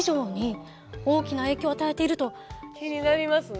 気になりますね。